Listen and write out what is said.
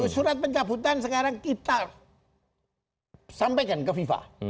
surat pencabutan sekarang kita sampaikan ke fifa